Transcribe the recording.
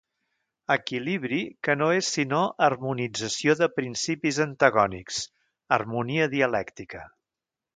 Equilibri que no és sinó harmonització de principis antagònics, harmonia dialèctica.